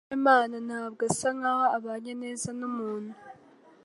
Dusabemana ntabwo asa nkaho abanye neza numuntu.